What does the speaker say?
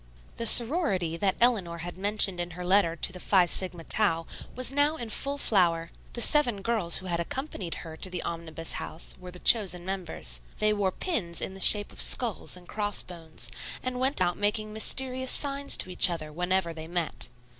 The sorority that Eleanor had mentioned in her letter to the Phi Sigma Tau, was now in full flower. The seven girls who had accompanied her to the Omnibus House were the chosen members. They wore pins in the shape of skulls and cross bones, and went about making mysterious signs to each other whenever they met.